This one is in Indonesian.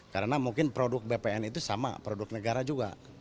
karena mungkin produk bpn itu sama produk negara juga